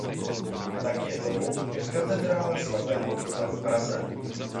Tak je tomu i v katedrále svatého Víta v Praze.